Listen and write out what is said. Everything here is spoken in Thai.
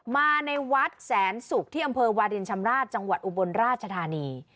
มาในวัดแสนศุกร์ที่อำเภอวาลินชำราชจังหวัดอุบลราชธานี